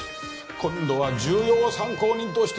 今度は重要参考人として取り調べだ。